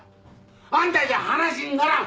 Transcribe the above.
あんたじゃ話にならん！